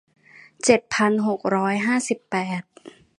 เจ็ดพันหกร้อยห้าสิบแปด